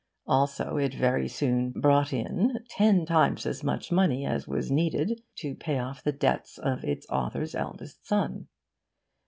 Also, it very soon 'brought in' ten times as much money as was needed to pay off the debts of its author's eldest son.